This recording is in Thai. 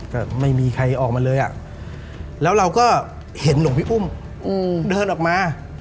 ก็ไม่มีใครออกมาเลยอ่ะแล้วเราก็เห็นหลวงพี่อุ้มเดินออกมา